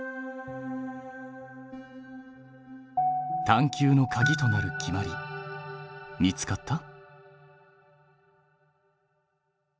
探究のかぎとなる決まり見つかった？